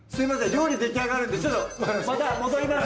料理できあがるんでちょっとまた戻ります